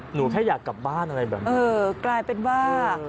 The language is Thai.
หนูแค่อยากกลับบ้านอะไรแบบนี้เออกลายเป็นว่า